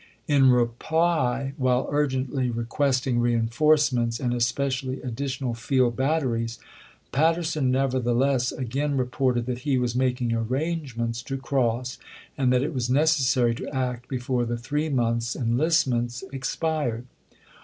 In reply, while urgently requesting reenforcements, and especially additional field batteries, Patterson nevertheless again reported that he was making arrangements to cross, and that it was necessary to act before the three months' enlistments expired.